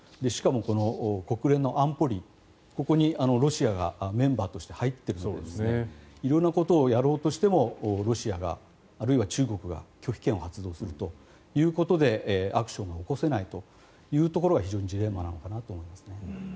しかも、国連の安保理ここにロシアがメンバーとして入ってるので色んなことをやろうとしてもロシアが、あるいは中国が拒否権を発動するということでアクションが起こせないというところが非常にジレンマなのかなと思いますね。